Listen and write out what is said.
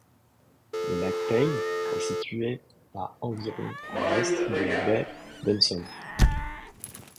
Le lac Payne est situé à environ à l'est de la baie d'Hudson.